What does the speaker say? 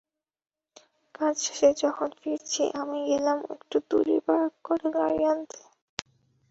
কাজ শেষে যখন ফিরছি, আমি গেলাম একটু দূরে পার্ক করা গাড়ি আনতে।